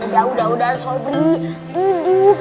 ya udah udah sobri duduk duduk